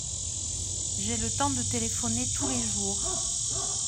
J’ai le temps de téléphoner tous les jours.